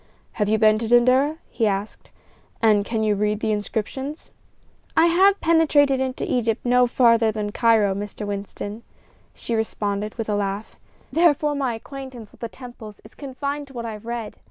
"Have you been to Dendera?" he asked; "and can you read the inscriptions?" "I have penetrated into Egypt no farther than Cairo, Mr. Winston," she responded, with a laugh; "therefore my acquaintance with the temples is confined to what I have read.